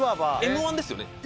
『Ｍ−１』ですよね！